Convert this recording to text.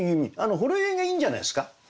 「ほろ酔ひ」がいいんじゃないですか。